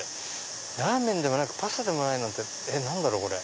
ラーメンでもなくパスタでもないのって何だろう？